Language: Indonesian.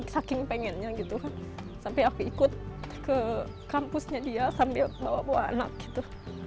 saking pengennya gitu kan sampai aku ikut ke kampusnya dia sambil bawa bawa anak gitu